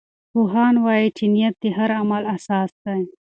پوهان وایي چې نیت د هر عمل اساس دی.